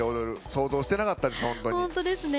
想像してなかったです。